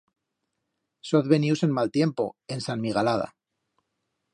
Soz venius en mal tiempo, en santmigalada.